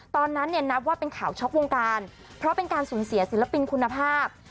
ตอนนั้นเนี่ยนับว่าเป็นข่าวช็อกวงการเพราะเป็นการสูญเสียศิลปินคุณภาพ